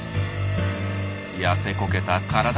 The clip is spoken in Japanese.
痩せこけた体。